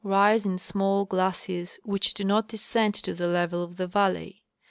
rise in small glaciers which do not descend to the level of the valley.